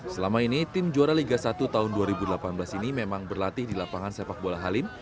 selama ini tim juara liga satu tahun dua ribu delapan belas ini memang berlatih di lapangan sepak bola halim